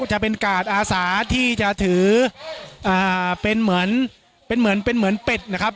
จะเป็นกาดอาสาที่จะถือเป็นเหมือนเป็นเหมือนเป็นเหมือนเป็ดนะครับ